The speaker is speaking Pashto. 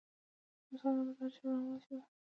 افغانستان د مزارشریف له امله شهرت لري.